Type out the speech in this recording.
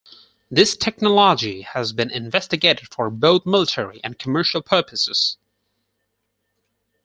This technology has been investigated for both military and commercial purposes.